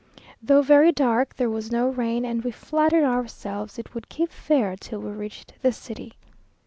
Though very dark there was no rain, and we flattered ourselves it would keep fair till we reached the city.